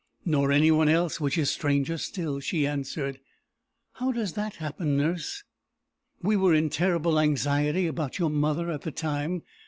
"Nor any one else; which is stranger still," she answered. "How does that happen, nurse?" "We were in terrible anxiety about your mother at the time.